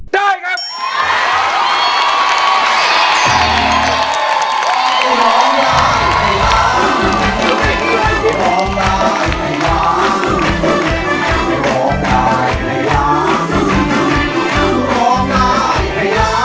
ด้วยครับ